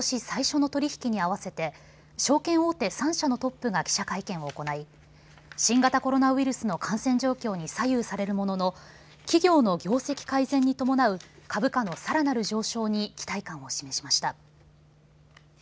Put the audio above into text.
最初の取り引きに合わせて証券大手３社のトップが記者会見を行い新型コロナウイルスの感染状況に左右されるものの企業の業績改善に伴う株価のさらなる上昇に期待感を示しました。